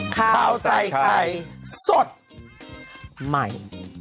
ข่าวใส่ไข่สดใหม่